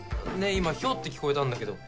今ヒョウって聞こえたんだけど。